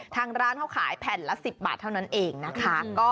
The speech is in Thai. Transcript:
ทางร้านเขาขายแผ่นละ๑๐บาทเท่านั้นเองนะคะ